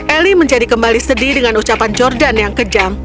eli menjadi kembali sedih dengan ucapan jordan yang kejam